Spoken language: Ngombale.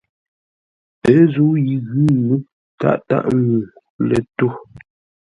Ə́ zə̂u yi ghʉ̌, tâʼ tâʼ ŋuu lə̂ tô.